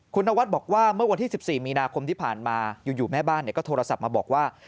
คุณนวัดบอกว่าเมื่อวันที่๑๔มีนาคมที่ผ่านมาอยู่แม่บ้านก็โทรศัพท์มาบอกว่า